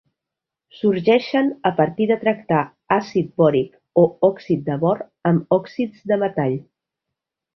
Sorgeixen a partir de tractar àcid bòric o òxid de bor amb òxids de metall.